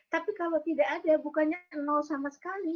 tapi kalau tidak ada bukannya nol sama sekali